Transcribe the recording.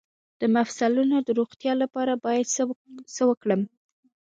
د مفصلونو د روغتیا لپاره باید څه وکړم؟